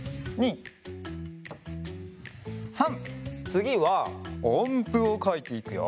つぎはおんぷをかいていくよ。